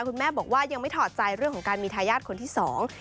คุณแม่บอกว่ายังไม่ถอดใจเรื่องของการมีทายาทคนที่สอง